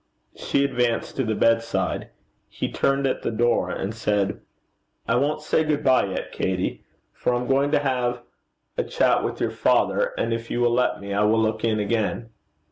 She advanced to the bedside. He turned at the door, and said, 'I won't say good bye yet, Katey, for I'm going to have a chat with your father, and if you will let me, I will look in again.'